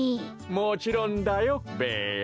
もちろんだよべや。